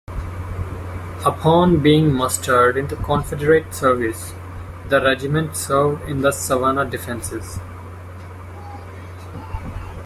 Upon being mustered into Confederate service, the regiment served in the Savannah defenses.